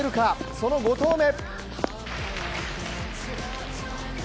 その５投目。